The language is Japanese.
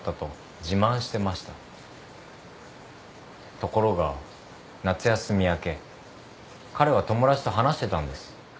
ところが夏休み明け彼は友達と話してたんです。